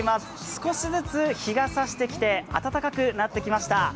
少しずつ日がさしてきて暖かくなってきました。